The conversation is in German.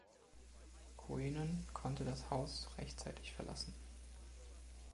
Coenen konnte das Haus rechtzeitig verlassen.